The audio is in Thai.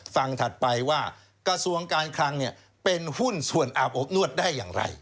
ถัดไปว่ากระทรวงการคลังเป็นหุ้นส่วนอาบอบนวดได้อย่างไร